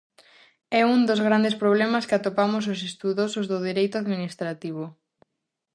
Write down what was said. É un dos grandes problemas que atopamos os estudosos do dereito administrativo.